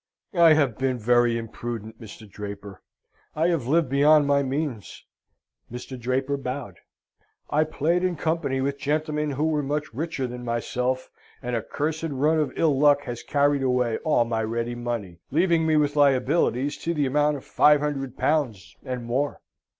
"I have been very imprudent, Mr. Draper. I have lived beyond my means." (Mr. Draper bowed.) "I played in company with gentlemen who were much richer than myself, and a cursed run of ill luck has carried away all my ready money, leaving me with liabilities to the amount of five hundred pounds, and more."